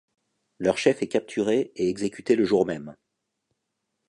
Leur chef est capturé et exécuté le jour même.